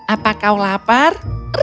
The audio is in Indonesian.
apa kau lapar